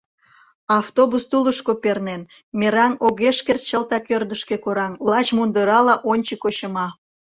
Автобус тулышко пернен мераҥ, огеш керт чылтак ӧрдыжкӧ кораҥ — лач мундырала ончыко чыма.